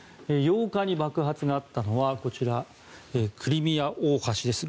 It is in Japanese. ８日に爆発があったのはクリミア大橋です。